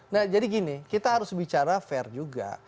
nah jadi gini kita harus bicara fair juga